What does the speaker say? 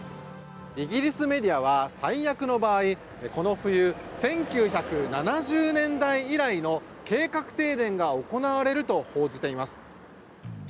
イギリスメディアは最悪の場合、この冬１９７０年代以来の計画停電が行われると報じています。